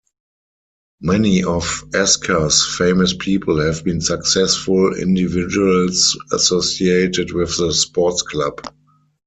Many of Asker's famous people have been successful individuals associated with the sports club.